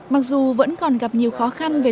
mặc dù vẫn còn gặp nhiều khó khăn về